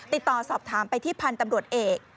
ติดต่อสอบถามไปที่พันธุ์ตำรวจเอก